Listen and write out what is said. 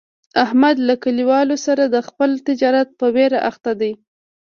احمد له کلیوالو سره د خپل تجارت په ویر اخته دی.